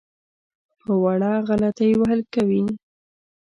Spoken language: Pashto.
په وړه غلطۍ وهل کوي.